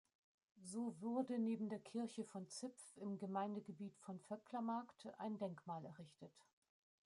So wurde neben der Kirche von Zipf im Gemeindegebiet von Vöcklamarkt ein Denkmal errichtet.